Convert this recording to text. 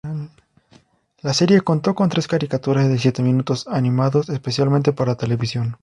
La serie contó con tres caricaturas de siete minutos, animados especialmente para televisión.